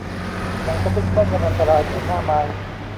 หนังสติ๊กไม่เป็นอันตรายเหมือนหน้าไม้